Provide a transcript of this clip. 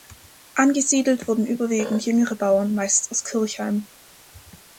Angesiedelt wurden überwiegend jüngere Bauern, meist aus Kirchheim.